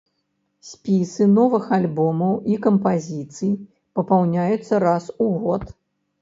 Спісы новых альбомаў і кампазіцый папаўняюцца раз у год.